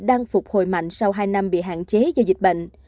đang phục hồi mạnh sau hai năm bị hạn chế do dịch bệnh